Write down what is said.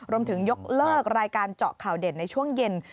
รวมถึงยกเลิกรายการเจาะข่าวเด่นในช่วงเย็น